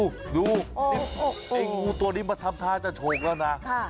ดูไอ้งูตัวนี้มาทำท่าจะโฉกแล้วนะ